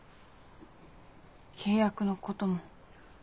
契約のことも。